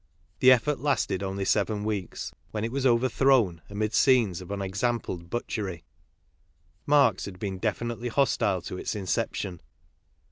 The effort lasted only seven weeks, when it was overthrown amid scenes of unexampled butchery. Marx had been definitely hostile to its incep tion.